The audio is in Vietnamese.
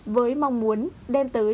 với mong muốn đem tới